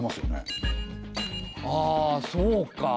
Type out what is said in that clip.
ああそうか。